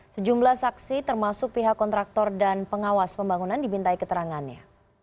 sejumlah saksi termasuk pihak kontraktor dan pengawas pembangunan dibintai keterangannya